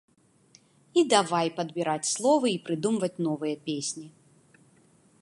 І давай падбіраць словы і прыдумваць новыя песні.